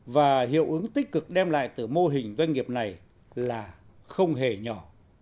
và hiệu ứng tích cực đem lại từ mô hình doanh nghiệp này là không hề nhỏ